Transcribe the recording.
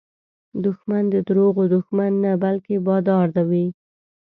دښمن د دروغو دښمن نه، بلکې بادار وي